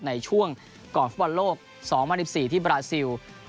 ในช่วงก่อนฟุตบอลโลก๒๐๑๔ที่บราซิล